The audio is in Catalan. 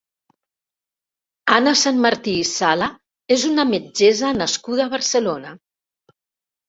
Anna Sanmartí i Sala és una metgessa nascuda a Barcelona.